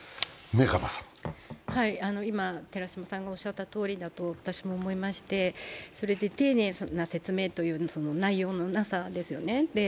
今、寺島さんがおっしゃったとおりだと思いまして、丁寧な説明というのに内容のなさですよね。